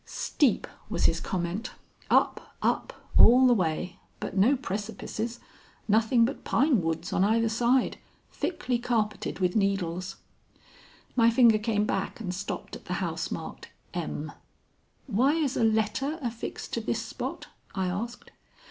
"Steep," was his comment. "Up, up, all the way, but no precipices. Nothing but pine woods on either side, thickly carpeted with needles." My finger came back and stopped at the house marked M. "Why is a letter affixed to this spot?" I asked.